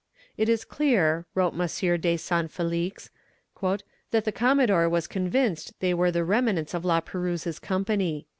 "It is clear," wrote M. de Saint Felix, "that the commodore was convinced they were the remnants of La Perouse's company."